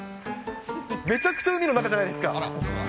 めちゃくちゃ海の中じゃないですか。